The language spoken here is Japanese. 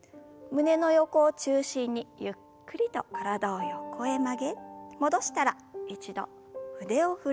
胸の横を中心にゆっくりと体を横へ曲げ戻したら一度腕を振る運動です。